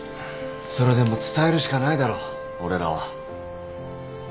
それでも伝えるしかないだろ俺らは。